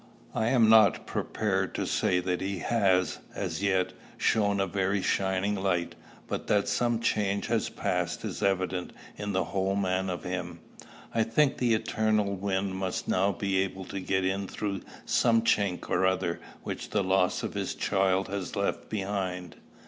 I am not prepared to say that he has, as yet, shown a very shining light, but that some change has passed is evident in the whole man of him. I think the eternal wind must now be able to get in through some chink or other which the loss of his child has left behind.